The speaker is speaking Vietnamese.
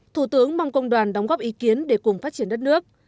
thủ tướng mong công đoàn đóng góp ý kiến để cùng phát triển đất nước